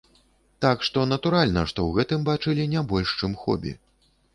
Так што натуральна, што ў гэтым бачылі не больш чым хобі.